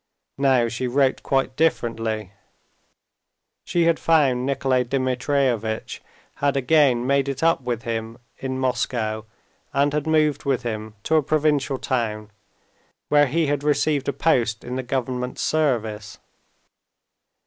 Now she wrote quite differently. She had found Nikolay Dmitrievitch, had again made it up with him in Moscow, and had moved with him to a provincial town, where he had received a post in the government service.